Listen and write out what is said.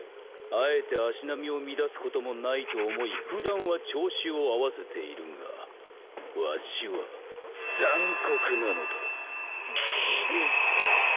あえて足並みを乱すこともないと思いふだんは調子を合わせているがワシは残酷なのだ。